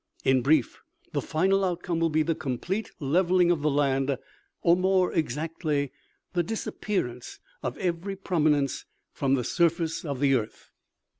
In brief, the final outcome will be the complete lev elling of the land, or, more exactly, the disappearance of every prominence from the surface of the earth.